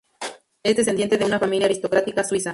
Es descendiente de una familia aristocrática suiza.